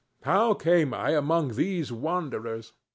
How came I among these wanderers?